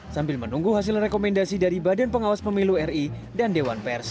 sambil menunggu hasil rekomendasi dari badan pengawas pemilu ri dan dewan pers